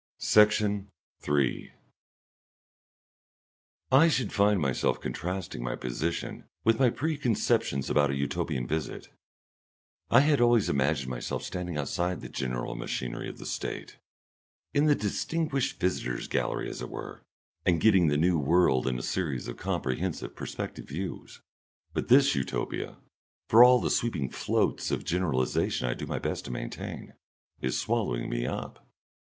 Section 3 I should find myself contrasting my position with my preconceptions about a Utopian visit. I had always imagined myself as standing outside the general machinery of the State in the distinguished visitors' gallery, as it were and getting the new world in a series of comprehensive perspective views. But this Utopia, for all the sweeping floats of generalisation I do my best to maintain, is swallowing me up.